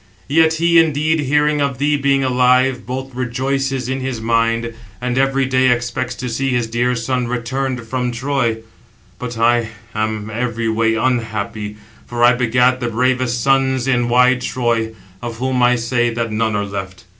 Yet he indeed, hearing of thee being alive, both rejoices in his mind, and every day expects to see his dear son returned from Troy. But I [am] every way unhappy, for I begat the bravest sons in wide Troy, of whom I say that none are left.